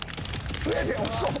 スウェーデン遅っ。